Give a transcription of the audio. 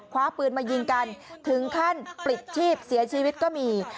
คว้าปืนมายิงกันถึงขั้นปลิดชีพเสียชีวิตก็มี